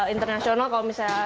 internasional kalau bisa